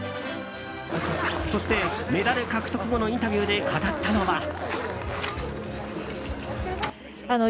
そして、メダル獲得後のインタビューで語ったのは。